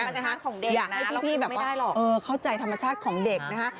อยากให้พี่แบบว่าเข้าใจธรรมชาติของเด็กนะคะ